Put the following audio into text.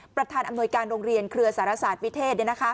ประธานอำนวยการโรงเรียนเครือสารศาสตร์วิเทศ